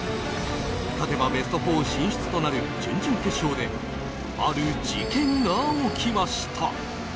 勝てばベスト４進出となる準々決勝である事件が起きました。